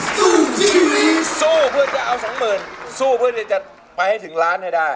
สู้เพื่อจะเอาสองหมื่นสู้เพื่อที่จะไปถึงล้านให้ได้